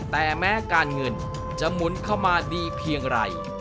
แต่แม้การเงินจะหมุนเข้ามาดีเพียงไร